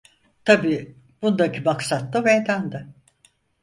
Tabii bundaki maksat da meydanda...